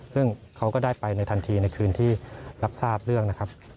ซึ่งเขาก็ได้ไปในทันทีในคืนที่รับทราบเรื่องนะครับ